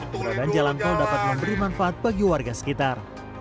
keberadaan jalan tol dapat memberi manfaat bagi warga sekitar